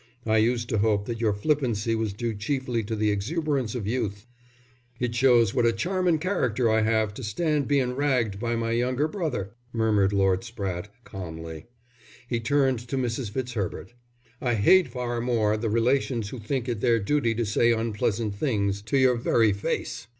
I used to hope that your flippancy was due chiefly to the exuberance of youth." "It shows what a charmin' character I have to stand bein' ragged by my younger brother," murmured Lord Spratte, calmly. He turned to Mrs. Fitzherbert. "I hate far more the relations who think it their duty to say unpleasant things to your very face."